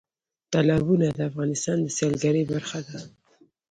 تالابونه د افغانستان د سیلګرۍ برخه ده.